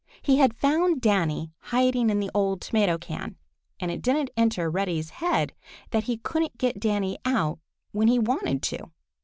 He had found Danny hiding in the old tomato can, and it didn't enter Reddy's head that he couldn't get Danny out when he wanted to.